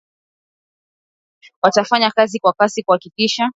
mawaziri na wataalamu wa kiufundi watafanya kazi kwa kasi kuhakikisha